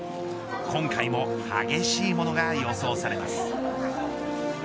今回も激しいものが予想されます。